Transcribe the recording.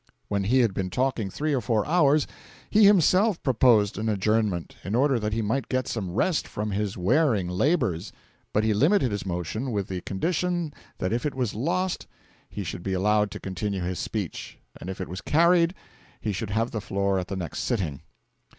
When he had been talking three or four hours he himself proposed an adjournment, in order that he might get some rest from his wearing labours; but he limited his motion with the condition that if it was lost he should be allowed to continue his speech, and if it was carried he should have the floor at the next sitting.